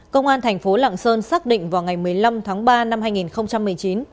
công an thành phố lạng sơn xác định vào ngày một mươi năm tháng ba năm hai nghìn một mươi chín